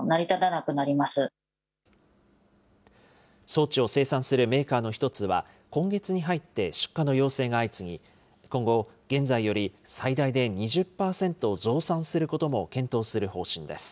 装置を生産するメーカーの１つは、今月に入って出荷の要請が相次ぎ、今後、現在より最大で２０％増産することも検討する方針です。